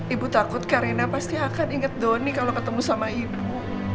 ibu takut karina pasti akan inget doni kalau ketemu sama ibu